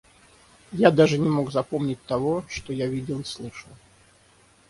Я даже не мог запомнить того, что я видел и слышал.